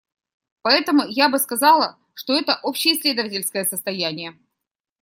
Поэтому я бы сказала, что это общеисследовательское состояние.